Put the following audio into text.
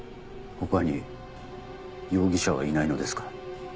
他に容疑者はいないのですか？